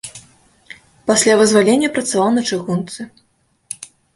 Пасля вызвалення працаваў на чыгунцы.